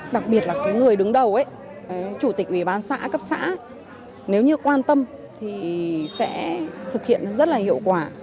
đặc biệt là cái người đứng đầu chủ tịch ủy ban xã cấp xã nếu như quan tâm thì sẽ thực hiện rất là hiệu quả